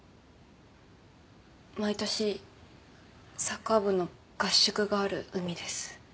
毎年サッカー部の合宿がある海です